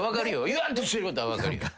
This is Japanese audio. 言わんとしてることは分かるよ。